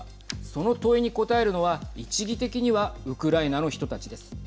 その問いに答えるのは一義的にはウクライナの人たちです。